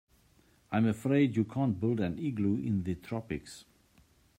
I'm afraid you can't build an igloo in the tropics.